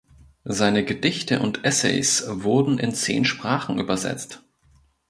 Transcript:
Seine Gedichte und Essays wurden in zehn Sprachen übersetzt.